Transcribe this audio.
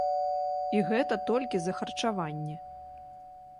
І гэта толькі за харчаванне.